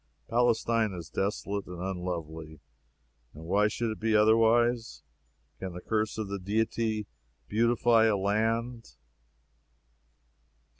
Palestine is desolate and unlovely. And why should it be otherwise? Can the curse of the Deity beautify a land?